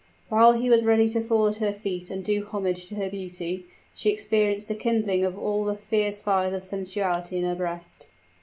While he was ready to fall at her feet and do homage to her beauty, she experienced the kindling of all the fierce fires of sensuality in her breast.